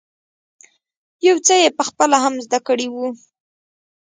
يو څه یې په خپله هم زده کړی وو.